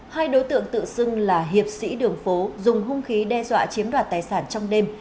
hai đối tượng tự xưng là hiệp sĩ đường phố dùng hung khí đe dọa chiếm đoạt tài sản trong đêm